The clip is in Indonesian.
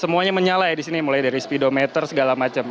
semuanya menyala ya di sini mulai dari speedometer segala macam